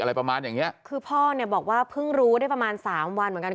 อะไรประมาณอย่างเนี้ยคือพ่อเนี่ยบอกว่าเพิ่งรู้ได้ประมาณสามวันเหมือนกัน